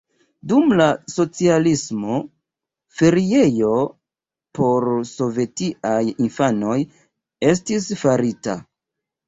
Dum la socialismo feriejo por sovetiaj infanoj estis farita.